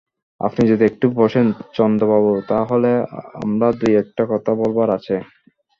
আপনি যদি একটু বসেন চন্দ্রবাবু তা হলে আমার দুই-একটা কথা বলবার আছে।